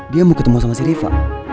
dia mau ketemu sama si riva